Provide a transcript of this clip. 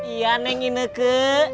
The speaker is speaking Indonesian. iya neng ineke